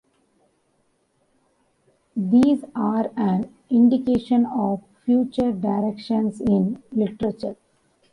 These are an indication of future directions in literature.